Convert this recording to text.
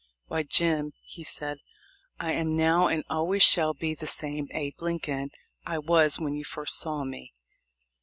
"Why, Jim," he said, "I am now and always shall be the same Abe Lincoln I was when you first saw me."